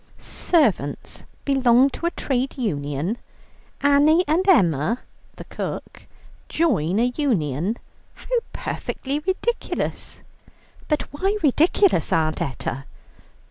"Servants belong to a Trade Union, Annie and Emma" (the cook) "join a Union. How perfectly ridiculous!" "But why ridiculous, Aunt Etta?"